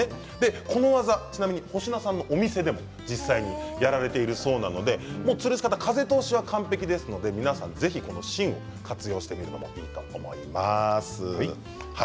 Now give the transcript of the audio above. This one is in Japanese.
この技、ちなみに保科さんのお店でも実際にやられているそうなのでつるし方、風通しは完璧ですので、皆さんぜひ芯を活用してみてください。